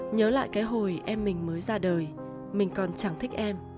nhớ lại cái hồi em mình mới ra đời mình còn chẳng thích em